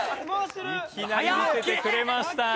いきなり見せてくれました！